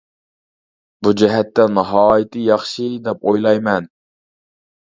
بۇ جەھەتتە ناھايىتى ياخشى دەپ ئويلايمەن.